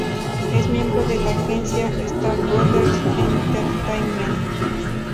Es miembro de la agencia "Star Brothers Entertainment".